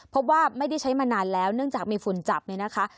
เพราะว่าไม่ได้ใช้มานานแล้วเนื่องจากมีฝุ่นจับเนี่ยนะคะ